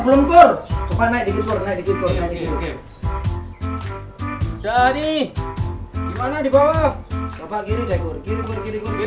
udah belum nih belum kur belum kur